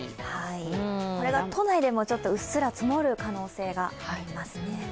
これが都内でもうっすら積もる可能性がありますね。